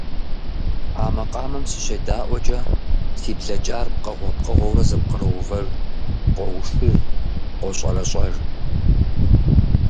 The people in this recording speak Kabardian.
А макъамэм сыщедаӏуэкӏэ, си блэкӏар пкъыгъуэ пкъыгъуэурэ зэпкъыроувэж, къоушыж, къощӏэрэщӏэж.